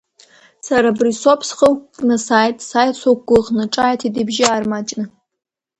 Сара абри соуп, схы уқәкны сааит, сааит суқәгәыӷны, ҿааиҭит ибжьы аармаҷны.